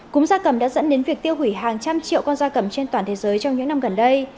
cúm gia cầm đã dẫn đến việc tiêu hủy hàng trăm triệu con da cầm trên toàn thế giới trong những năm gần đây